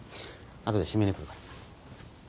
あとで閉めに来るから。